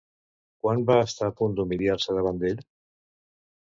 Quan va estar a punt d'humiliar-se davant d'ell?